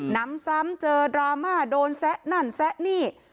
นำซ้ำเจอดราม่าโดนแซะนั่นแซะนี่